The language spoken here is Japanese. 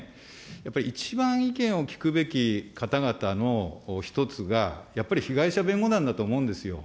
やっぱり一番意見を聞くべき方々の一つが、やっぱり被害者弁護団だと思うんですよ。